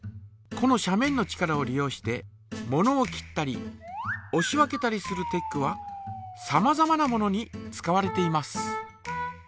この斜面の力を利用してものを切ったりおし分けたりするテックはさまざまなものに使われています。